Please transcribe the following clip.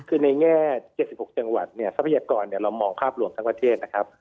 คือในแง่๗๖จังหวัดเนี่ยทรัพยากรเรามองภาพรวมทั้งประเทศนะครับ